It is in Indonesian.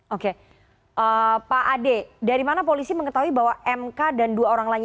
oke pak ade dari mana polisi mengetahui bahwa mk dan dua orang lainnya